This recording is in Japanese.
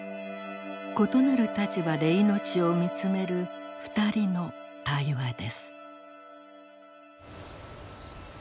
異なる立場で命を見つめる２人の対話です。